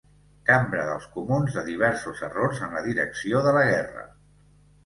Cambra dels Comuns de diversos errors en la direcció de la guerra.